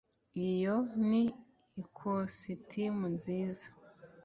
iyo ni ikositimu nziza